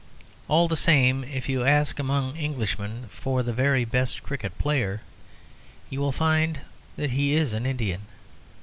All the same, if you ask among Englishmen for the very best cricket player, you will find that he is an Indian.